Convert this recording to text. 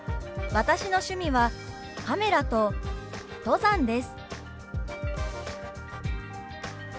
「私の趣味はカメラと登山です」。